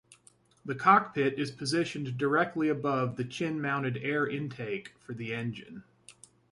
The cockpit is positioned directly above the chin-mounted air intake for the engine.